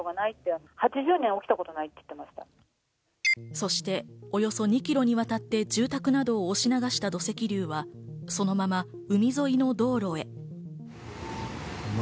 そしておよそ２キロにわたって住宅などを押し流した土石流はそのまま海沿いの道路へ。